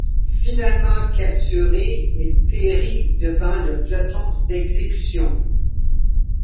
Finalement capturé, il périt devant le peloton d’exécution.